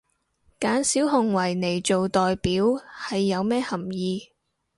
揀小熊維尼做代表係有咩含意？